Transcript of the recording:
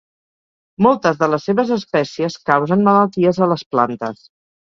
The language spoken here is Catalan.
Moltes de les seves espècies causen malalties a les plantes.